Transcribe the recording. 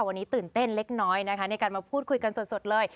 วันนี้ตื่นเต้นเล็กน้อยนะคะในการมาพูดคุยกันสดเลย